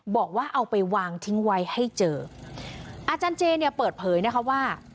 บอกว่าเอาไปวางทิ้งไว้ให้เจออาจารย์เจเนี่ยเปิดเผยนะคะว่า